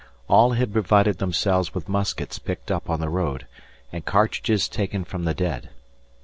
All had provided themselves with muskets picked up on the road, and cartridges taken from the dead.